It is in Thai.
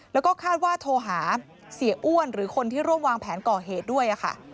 แล้วก็คาดว่าโทรหาเสียอ้วนหรือคนที่ร่วมวางแผนก่อเหตุด้วยค่ะ